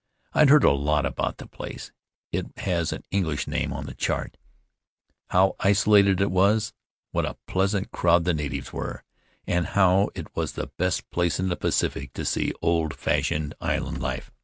I'd heard a lot about the place (it has an English name on the chart) — how isolated it was, what a pleasant crowd the natives were, and how it was the best place in the Pacific to see old fashioned island life.